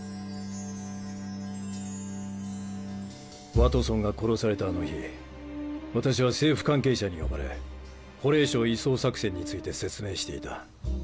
ワトソンが殺されたあの日私は政府関係者に呼ばれホレイショ移送作戦について説明していた。